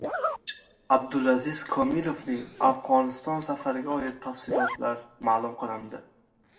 Abdulaziz Komilovning Afg‘oniston safariga oid tafsilotlar ma’lum qilindi